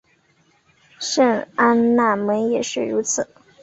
圣安娜门也是如此。